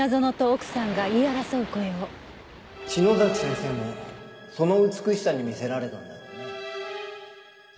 先生もその美しさに魅せられたんだろうね。